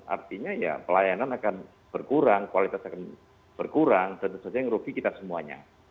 artinya ya pelayanan akan berkurang kualitas akan berkurang dan tentu saja yang rugi kita semuanya